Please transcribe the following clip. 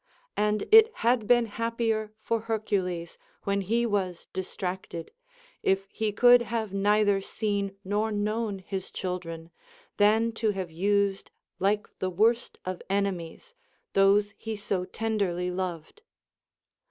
And it had been happier for Hercules, when he was distracted, if he could have neither seen nor known his children, than to * Pindar, Pyth. I. 25. 17 i OF SUPERSTITION have used like the Avorst of enemies those he so tenderly loved.